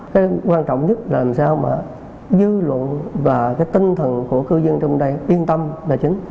cái quan trọng nhất là làm sao mà dư luận và cái tinh thần của cư dân trong đây yên tâm là chính